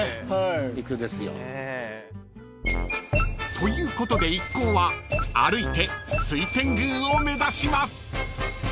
［ということで一行は歩いて水天宮を目指します］